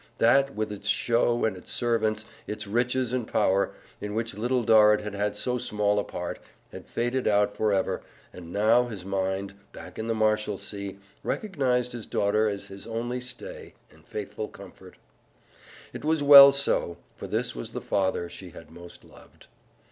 That, with its show and its servants, its riches and power, in which Little Dorrit had had so small a part, had faded out for ever, and now his mind, back in the Marshalsea, recognized his daughter as his only stay and faithful comfort. It was well so, for this was the father she had most loved.